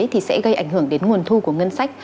thì sẽ gây ảnh hưởng đến nguồn thu của ngân sách